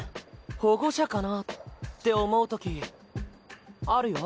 保護者かな？って思う時あるよ。